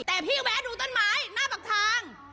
แต่พี่แวะดูต้นไม้หน้าปากทาง